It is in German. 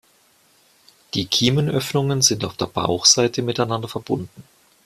Die Kiemenöffnungen sind auf der Bauchseite miteinander verbunden.